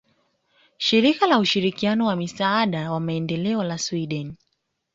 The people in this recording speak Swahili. Shirika la Ushirikiano wa Misaada wa Maendeleo la Sweden